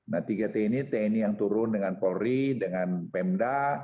nah tiga tni tni yang turun dengan polri dengan pemda